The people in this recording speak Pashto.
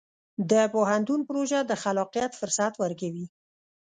د پوهنتون پروژه د خلاقیت فرصت ورکوي.